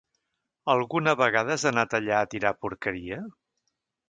Alguna vegada has anat allà a tirar porqueria?